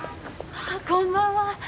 あっこんばんは。